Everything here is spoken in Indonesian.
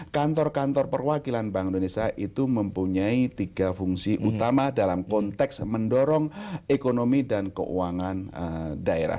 kantor kantor perwakilan bank indonesia itu mempunyai tiga fungsi utama dalam konteks mendorong ekonomi dan keuangan daerah